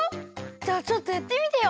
じゃあちょっとやってみてよ。